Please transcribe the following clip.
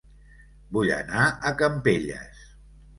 Vull anar a Campelles